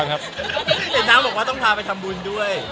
เอ็นแนน้องบอกว่าอย่างอื่นก่อนต้องทางไปทำบุญด้วย